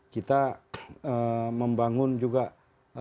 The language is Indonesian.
kita membangun juga sistem sistem yang berbahaya